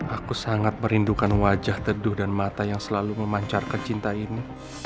aku sangat merindukan wajah teduh dan mata yang selalu memancarkan cinta ini